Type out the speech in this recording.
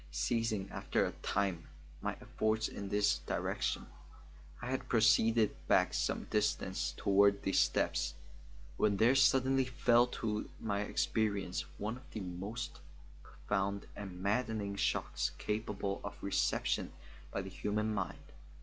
Ceasing after a time my efforts in this direction, I had proceeded back some distance toward the steps, when there suddenly fell to my experience one of the most profound and maddening shocks capable of reception by the human mind.